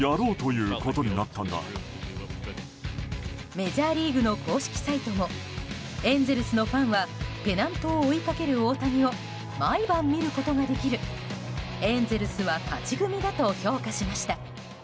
メジャーリーグの公式サイトもエンゼルスのファンはペナントを追いかける大谷を毎晩見ることができるエンゼルスは勝ち組だと評価しました。